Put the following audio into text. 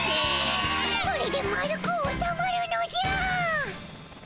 それで丸くおさまるのじゃ。